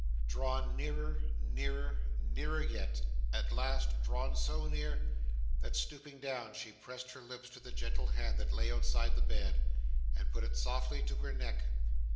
Drawn nearer, nearer, nearer yet; at last, drawn so near, that stooping down, she pressed her lips to the gentle hand that lay outside the bed, and put it softly to her neck.